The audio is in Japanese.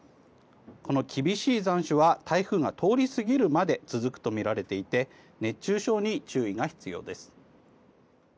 この厳しい残暑は台風が通り過ぎるまで続くとみられていて熱中症に注意が必要です。